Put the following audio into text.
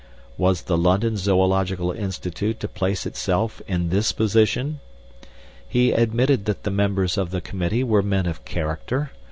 Was the London Zoological Institute to place itself in this position? He admitted that the members of the committee were men of character.